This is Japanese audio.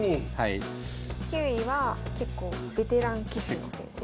９位は結構ベテラン棋士の先生。